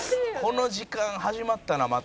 「この時間始まったなまた」